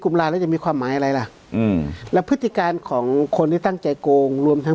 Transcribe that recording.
ลาแล้วจะมีความหมายอะไรล่ะอืมแล้วพฤติการของคนที่ตั้งใจโกงรวมทั้ง